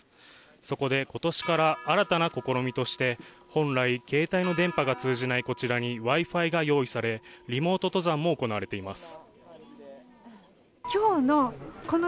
そこで今年から新たな試みとして本来携帯の電波が通じないこちらにＷｉ−Ｆｉが用意されリモート登山も行われています